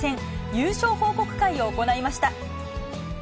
優勝報告会を行いました。